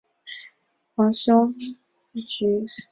黄胸鹬为鹬科滨鹬属下的一个种。